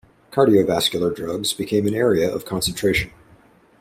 Cardiovascular drugs became an area of concentration.